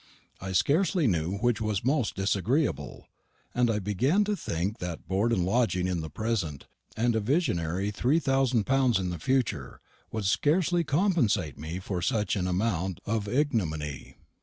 I scarcely knew which was most disagreeable, and I began to think that board and lodging in the present, and a visionary three thousand pounds in the future, would scarcely compensate me for such an amount of ignominy.